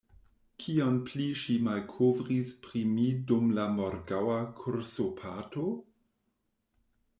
Kion pli ŝi malkovris pri mi dum la morgaŭa kursoparto?